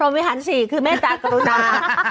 โรงวิหาร๔คือเมฆจากตรวจนา